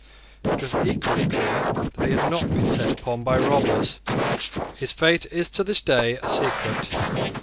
It was equally clear that he had not been set upon by robbers. His fate is to this day a secret.